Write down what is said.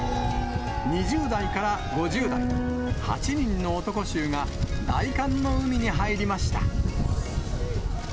２０代から５０代、８人の男衆が大寒の海に入りました。